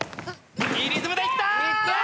いいリズムでいった！